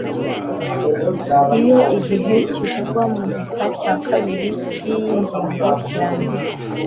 iyo igihe kivugwa mu gika cya kabiri cy'iyi ngingo kirangiye